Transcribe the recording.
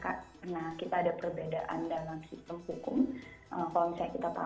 karena kita ada perbedaan dalam sistem hukum